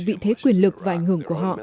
vị thế quyền lực và ảnh hưởng của họ